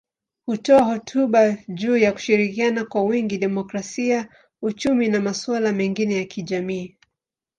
Hutoa hotuba juu ya kushirikiana kwa wingi, demokrasia, uchumi na masuala mengine ya kijamii.